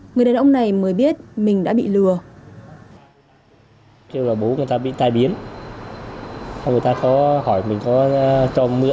người đàn ông này mới biết mình đã bị lừa